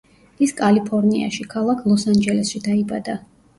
ის კალიფორნიაში, ქალაქ ლოს ანჯელესში დაიბადა.